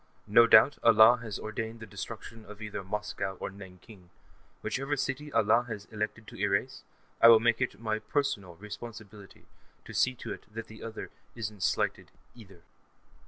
No doubt Allah has ordained the destruction of either Moscow or Nanking; whichever city Allah has elected to erase, I will make it my personal responsibility to see to it that the other isn't slighted, either.